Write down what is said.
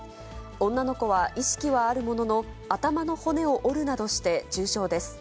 女の子は意識はあるものの、頭の骨を折るなどして重傷です。